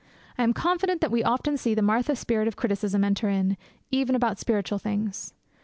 I am confident that we often see the Martha spirit of criticism enter in, even about spiritual things.